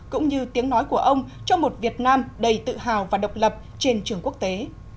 cũng như tiếng nói của ông cho một việt nam đầy tự hào và độc lập trên trường quốc tế